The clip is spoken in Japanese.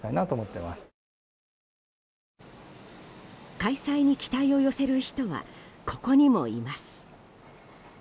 開催に期待を寄せる人はここにもいます。